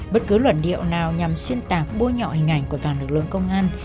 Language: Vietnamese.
bất cứ luận điệu nào nhằm xuyên tạc bôi nhọ hình ảnh của toàn lực lượng công an